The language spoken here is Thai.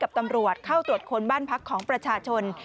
ตำรวจเข้าตรวจค้นบ้านพักของประชาชน